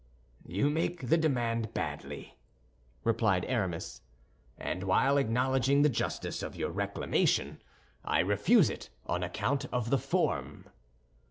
"You make the demand badly," replied Aramis; "and while acknowledging the justice of your reclamation, I refuse it on account of the form."